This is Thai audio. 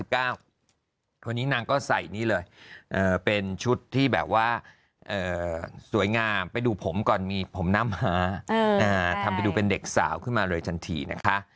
คนนี้นางก็ใส่นี่เลยเป็นชุดที่แบบว่าสวยงามไปดูผมก่อนมีผมหน้าม้าทำไปดูเป็นเด็กสาวขึ้นมาเลยทันทีนะคะ